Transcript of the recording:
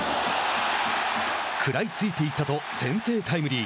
食らいついていったと先制タイムリー。